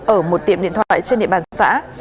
ở một tiệm điện thoại trên địa bàn xã